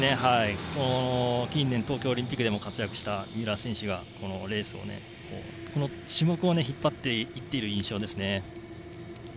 近年東京オリンピックでも活躍した三浦選手がこのレース、この種目を引っ張っている印象ですね。